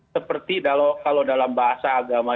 seperti kalau dalam bahasa agama